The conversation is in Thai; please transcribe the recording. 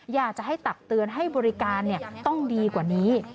อยากจะให้ตักเตือนให้บริการต้องดีกว่านี้